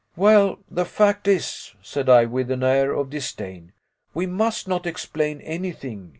"Well, the fact is," said I, with an air of disdain, "we must not explain anything.